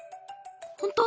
ほんと？